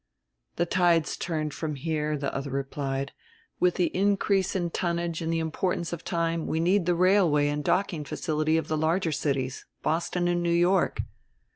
"The tide's turned from here," the other replied; "with the increase in tonnage and the importance of time we need the railway and docking facility of the larger cities Boston and New York."